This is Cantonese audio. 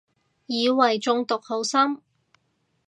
以為中毒好深